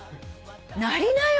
なりなよ！